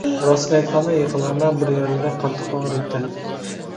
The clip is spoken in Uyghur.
راستىنى ئېيتقاندا، يىقىلغاندا بىر يەرلىرى قاتتىق ئاغرىيتتى.